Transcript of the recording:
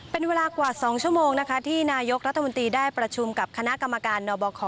เป็นเวลากว่า๒ชั่วโมงนะคะที่นายกรัฐมนตรีได้ประชุมกับคณะกรรมการนบค